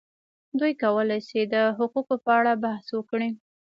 دوی کولای شي د حقوقو په اړه بحث وکړي.